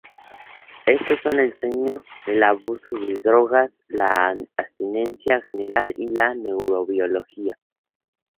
Estos son el sueño, el abuso de drogas, la anestesia general y la neurobiología.